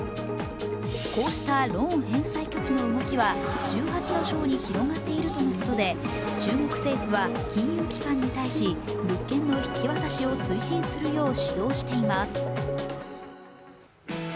こうしたローン返済拒否の動きは１８の省に広がっているということで中国政府は金融機関に対し、物件の引き渡しを推進するよう指導しています。